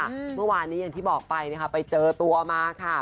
เมื่อวานนี้อย่างที่บอกไปนะคะไปเจอตัวมาค่ะ